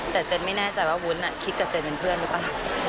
แต่เจนไม่แน่ใจว่าวุ้นคิดกับเจนเป็นเพื่อนหรือเปล่า